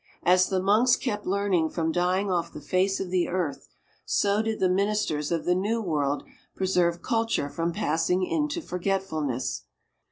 As the monks kept learning from dying off the face of the earth, so did the ministers of the New World preserve culture from passing into forgetfulness.